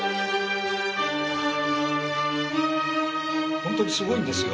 ホントにすごいんですよ。